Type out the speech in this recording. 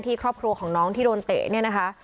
ครอบครัวของน้องที่โดนเตะเนี่ยนะคะ